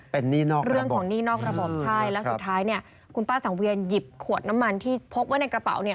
เป็นนี่นอกระบบใช่แล้วสุดท้ายนี่คุณป้าสังเวียนหยิบขวดน้ำมันที่พกไว้ในกระเป๋า